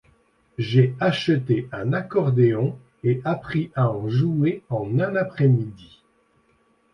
J'ai acheté un accordéon et appris à en jouer en un après-midi.